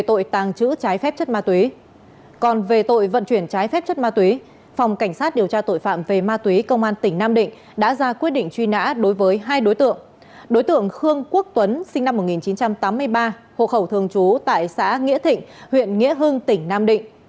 đối tượng khương quốc tuấn sinh năm một nghìn chín trăm tám mươi ba hộ khẩu thường trú tại xã nghĩa thịnh huyện nghĩa hưng tỉnh nam định